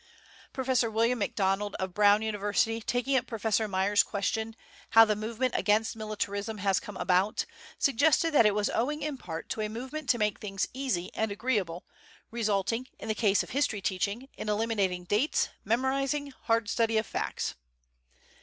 Professor William MacDonald, of Brown University, taking up Professor Meyer's question, how the movement against militarism has come about, suggested that it was owing in part to a movement to make things easy and agreeable, resulting, in the case of history teaching, in eliminating dates, memorizing, hard study of facts.